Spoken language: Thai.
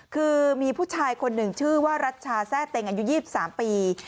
คือมีผู้ชายคนหนึ่งชื่อว่ารัชชาแทร่เต็งอายุ๒๓ปี